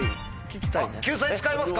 救済使いますか？